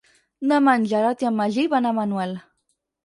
Demà en Gerard i en Magí van a Manuel.